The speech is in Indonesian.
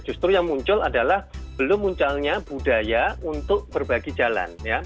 justru yang muncul adalah belum munculnya budaya untuk berbagi jalan